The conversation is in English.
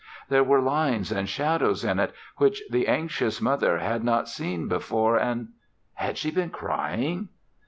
There were lines and shadows in it which the anxious mother had not seen before and had she been crying?